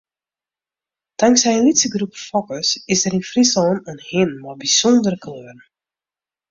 Tanksij in lytse groep fokkers is der yn Fryslân in hin mei bysûndere kleuren.